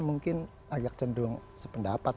mungkin agak cenderung sependapat